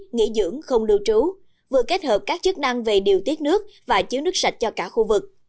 nghỉ dưỡng không lưu trú vừa kết hợp các chức năng về điều tiết nước và chiếu nước sạch cho cả khu vực